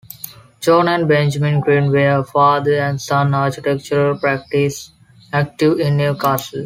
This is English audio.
John and Benjamin Green were a father and son architectural practice active in Newcastle.